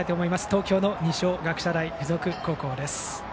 東京の二松学舎大付属高校です。